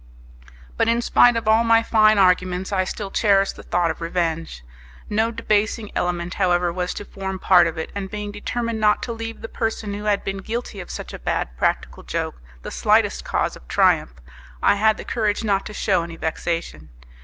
But, in spite of all my fine arguments, I still cherished the thought of revenge; no debasing element, however, was to form part of it, and being determined not to leave the person who had been guilty of such a bad practical joke the slightest cause of triumph, I had the courage not to shew any vexation.